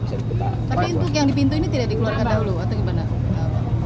tapi untuk yang di pintu ini tidak dikeluarkan dahulu atau gimana